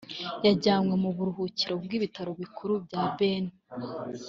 yajyanwe mu buruhukiro bw’ibitaro bikuru bya Beni